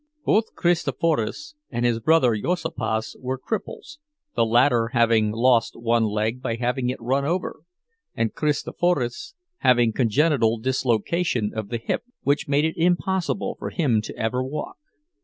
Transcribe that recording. Both Kristoforas and his brother, Juozapas, were cripples, the latter having lost one leg by having it run over, and Kristoforas having congenital dislocation of the hip, which made it impossible for him ever to walk.